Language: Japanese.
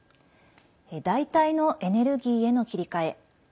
代替のエネルギーへの切り替え。